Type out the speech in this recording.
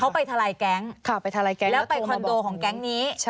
เขาไปทลายแก๊งแล้วไปคอนโดของแก๊งนี้